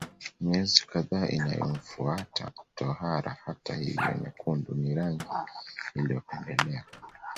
Miezi kadhaa inayofuata tohara hata hivyo nyekundu ni rangi iliyopendelewa